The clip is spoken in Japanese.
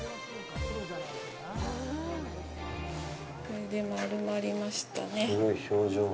これで丸まりましたね。